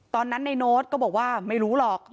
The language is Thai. ตอนนั้นในโน้ตก็บอกว่าไม่รู้หรอก